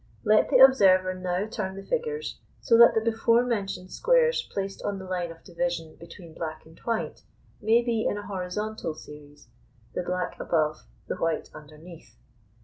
Let the observer now turn the figures so that the before mentioned squares placed on the line of division between black and white may be in a horizontal series; the black above, the white underneath.